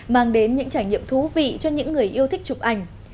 mang đến những trải nghiệm thú vị cho những người yêu thích chụp ảnh